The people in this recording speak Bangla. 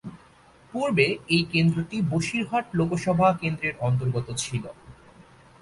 পূর্বে এই কেন্দ্রটি বসিরহাট লোকসভা কেন্দ্রের অন্তর্গত ছিল।